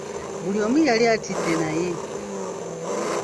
Buli omu yali atidde naye